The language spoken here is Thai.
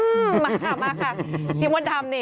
อืมมาค่ะที่มันทำนี่